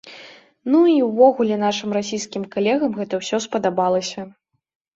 Ну, і ўвогуле нашым расійскім калегам гэта ўсё спадабалася.